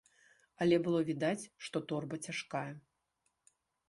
Але было відаць, што торба цяжкая.